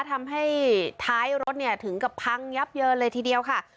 ทำให้ท้ายรถเนี่ยถึงกับพังยับเยินเลยทีเดียวค่ะ